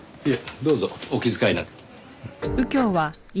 どうぞお気遣いなく。